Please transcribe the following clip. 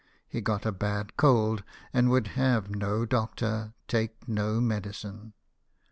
He got a bad cold, and would have no doctor, take no medicine.